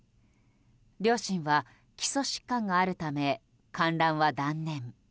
両親は基礎疾患があるため観覧は断念。